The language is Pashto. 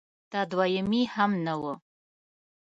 د دویمې هم نه و